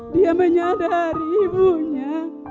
dia menyadari ibunya